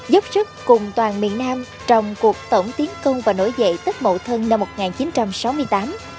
dốc sức cùng toàn miền nam trong cuộc tổng tiến công và nổi dậy tết mậu thân năm một nghìn chín trăm sáu mươi tám